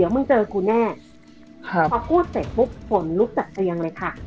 พอกู้เศ็บปุ๊บฝนรุกจากเตียงเลยค่ะ